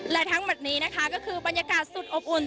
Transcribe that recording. และทั้งหมดนี้นะคะก็คือบรรยากาศสุดอบอุ่น